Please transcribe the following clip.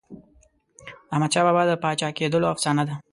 د احمدشاه بابا د پاچا کېدلو افسانه ده.